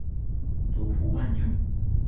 祖父方宁。